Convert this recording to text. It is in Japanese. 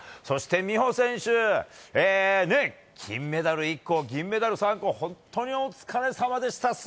そして、美帆選手金メダル１個、銀メダル３個本当にお疲れさまでした。